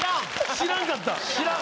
知らんかった。